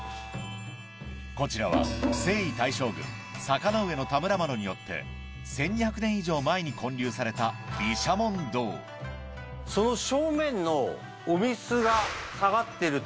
こちらは征夷大将軍坂上田村麻呂によって１２００年以上前に建立されたそれを。